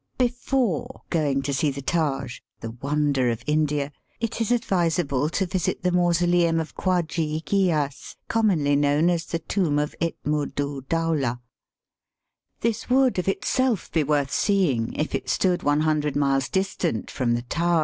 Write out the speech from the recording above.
Before going to see the Taj, ''the wonder of India," it is advisable to visit the mauso leum of Kwajee Aeeas, commonly known as the tomb of Itmud oo Dowlah. This would of itself be worth seeing if it stood one hundred miles distant from the Taj.